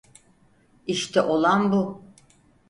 İşte olan bu.